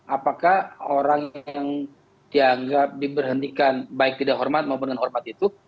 apakah orang yang dianggap diberhentikan baik tidak hormat maupun dengan hormat itu